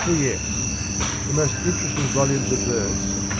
P.S. The most interesting lumes of verse.